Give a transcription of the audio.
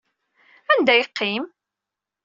Anda yeqqim?